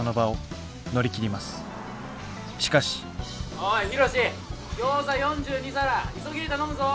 おいヒロシギョーザ４２皿急ぎで頼むぞ！